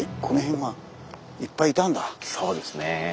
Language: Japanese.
そうですね。